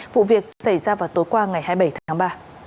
vụ việc xảy ra vào tối qua ngày hai mươi bảy tháng ba